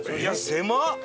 狭っ！